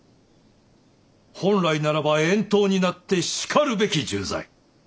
本来ならば遠島になってしかるべき重罪。